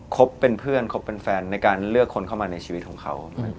บเป็นเพื่อนคบเป็นแฟนในการเลือกคนเข้ามาในชีวิตของเขา